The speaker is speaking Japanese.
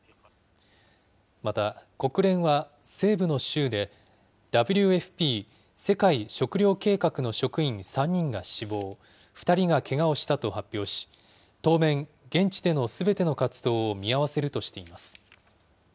また、国連は西部の州でＷＦＰ・世界食糧計画の職員３人が死亡、２人がけがをしたと発表し、当面、現地でのすべての活動を見合わせるとしています。